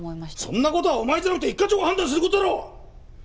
そんな事はお前じゃなくて一課長が判断する事だろう！